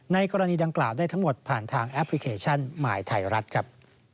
กรณีดังกล่าวได้ทั้งหมดผ่านทางแอปพลิเคชันหมายไทยรัฐครับ